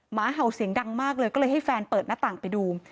หมาเห่าเสียงดังมากเลยก็เลยให้แฟนเปิดหน้าต่างไปดู